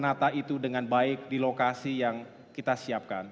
dan bagaimana kita bisa menata itu dengan baik di lokasi yang kita siapkan